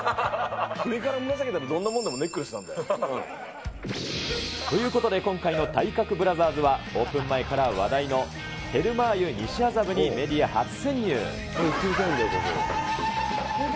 首からぶら下げたら、どんなもんでもネックレスなんだよ。ということで、今回の体格ブラザーズは、オープン前から話題のテルマー湯西麻布にメディア初潜入。